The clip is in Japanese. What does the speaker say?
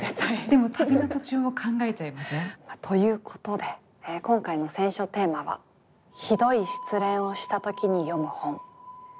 でも旅の途中も考えちゃいません？ということで今回の選書テーマは「ひどい失恋をした時に読む本」ということで進めたいと思います。